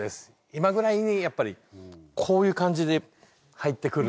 今ぐらいにやっぱりこういう感じで入ってくると。